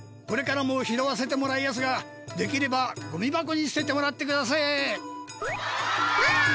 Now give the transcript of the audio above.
これからも拾わせてもらいやすができればごみばこにすててもらってくだせえ！わ！わ！